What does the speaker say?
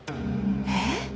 えっ？